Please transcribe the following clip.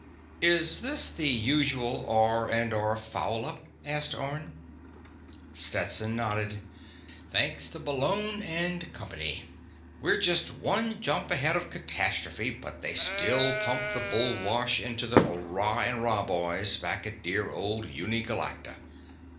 "Is this the usual R&R foul up?" asked Orne. Stetson nodded. "Thanks to Bullone and company! We're just one jump ahead of catastrophe, but they still pump the bushwah into the Rah & Rah boys back at dear old Uni Galacta!"